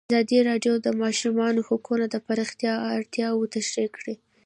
ازادي راډیو د د ماشومانو حقونه د پراختیا اړتیاوې تشریح کړي.